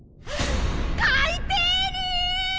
海底に！